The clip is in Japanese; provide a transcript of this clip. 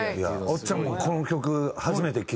おっちゃんもこの曲初めて聴いたけど。